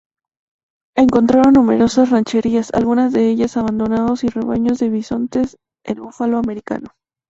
Encontraron numerosas "rancherías", algunas de ellas abandonados, y rebaños de bisontes, el búfalo americano.